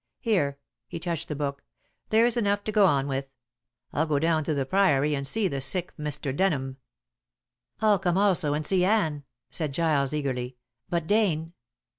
Here," he touched the book, "there is enough to go on with. I'll go down to the Priory and see the sick Mr. Denham." "I'll come also and see Anne," said Giles eagerly. "But Dane?"